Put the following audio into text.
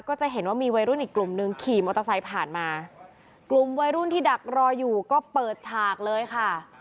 ก็จะเห็นว่ามีวัยรุ่นอีกกลุ่มหนึ่งขี่มอเตอร์ไซค์ผ่านมากลุ่มวัยรุ่นที่ดักรออยู่ก็เปิดฉากเลยค่ะ